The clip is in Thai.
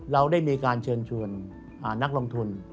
เราได้มีการเชิญชวนนักลงทุน